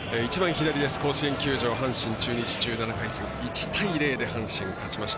甲子園球場、阪神、中日１７回戦１対０で阪神勝ちました。